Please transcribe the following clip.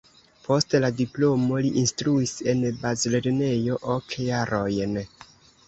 Post la diplomo li instruis en bazlernejo ok jarojn.